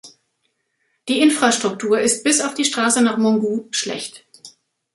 Die Infrastruktur ist bis auf die Straße nach Mongu schlecht.